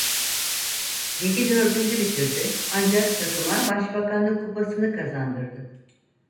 Ligi dördüncü bitirdi ancak takıma Başbakanlık Kupası'ını kazandırdı.